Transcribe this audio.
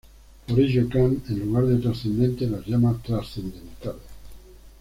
Por ello Kant en lugar de trascendentes las llamó trascendentales.